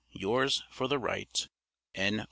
Yours, for the right, N.R.